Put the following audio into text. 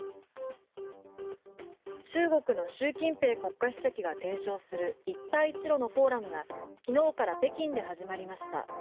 中国の習近平国家主席が提唱する一帯一路のフォーラムが昨日から北京で始まりました。